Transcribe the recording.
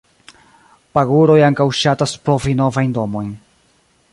Paguroj ankaŭ ŝatas provi novajn domojn.